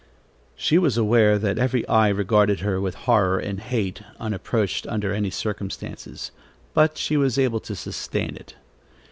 She was aware that every eye regarded her with horror and hate, unapproached under any circumstances; but she was able to sustain it.